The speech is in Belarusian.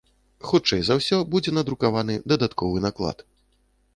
Хутчэй за ўсё, будзе надрукаваны дадатковы наклад.